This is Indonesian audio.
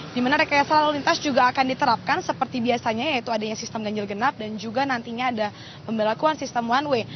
dimana rekayasa lalu lintas juga akan diterapkan seperti biasanya yaitu adanya sistem ganjil genap dan juga nantinya ada pembelakuan sistem one way